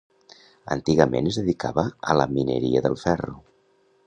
Antigament es dedicava a la mineria del ferro.